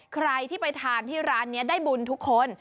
ใครที่ไปทานที่ร้านนี้ได้บุญทุกคน